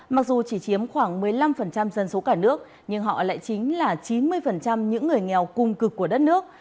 mặc dù chỉ chiếm khoảng một mươi năm dân số cả nước nhưng họ lại chính là chín mươi những người nghèo cung cực của đất nước